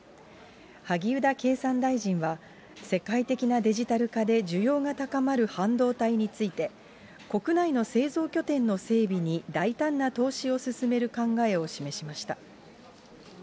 萩生田経産大臣は、世界的なデジタル化で需要が高まる半導体について、国内の製造拠点の整備に大胆な投資を進める考えを示しました。